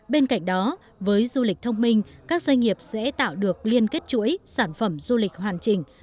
bên cạnh đó với du lịch thông minh các doanh nghiệp sẽ tạo được liên kết chuỗi sản phẩm du lịch hoàn chỉnh